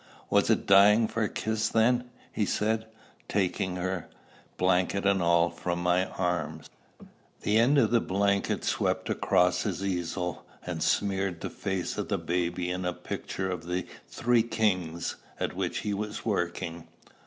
"Was it dying for a kiss then?" he said, taking her, blanket and all, from my arms. The end of the blanket swept across his easel, and smeared the face of the baby in a picture of the Three Kings, at which he was working.